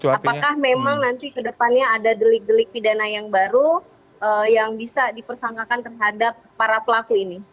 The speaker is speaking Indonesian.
apakah memang nanti kedepannya ada delik delik pidana yang baru yang bisa dipersangkakan terhadap para pelaku ini